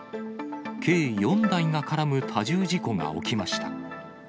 計４台が絡む多重事故が起きました。